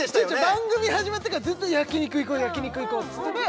番組始まってからずっと「焼き肉行こう」っつってね